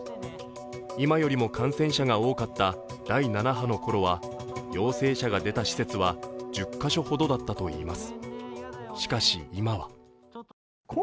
今よりも感染者が多かった第７波の頃は陽性者が出た施設は１０か所ほどだったといいます。